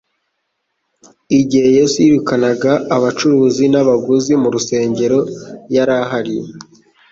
Igihe Yesu yirukanaga abacuruzi n'abaguzi mu rusengero yari ahari.